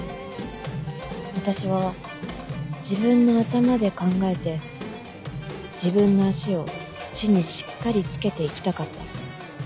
私は自分の頭で考えて自分の足を地にしっかりつけて生きたかった